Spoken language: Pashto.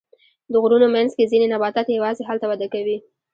د غرونو منځ کې ځینې نباتات یوازې هلته وده کوي.